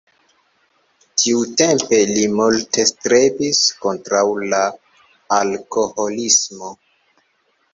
Tiutempe li multe strebis kontraŭ la alkoholismo.